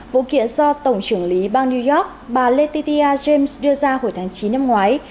vụ kiện do tổng trưởng lý bang new york bà letitia james đưa ra hồi tháng chín năm ngoái